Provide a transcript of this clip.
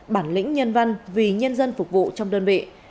bản lĩnh nhân văn vì nhân dân phục vụ trong đơn vị